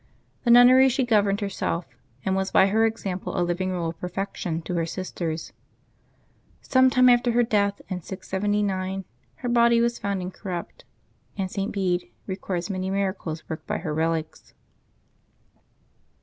The nunnery she governed herself, and was by her example a living rule of perfection to her sisters. Some time after her death, in 679, her body was found incorrupt, and St. Bede records many miracles worked by her relics.